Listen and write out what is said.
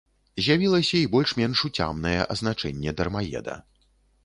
З'явілася і больш-менш уцямнае азначэнне дармаеда.